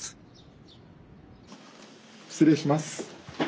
失礼します。